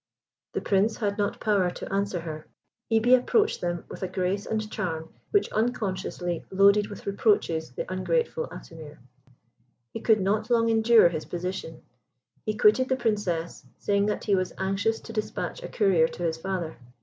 The Prince had not power to answer her. Hebe approached them with a grace and charm which unconsciously loaded with reproaches the ungrateful Atimir. He could not long endure his position. He quitted the Princess, saying that he was anxious to despatch a courier to his father.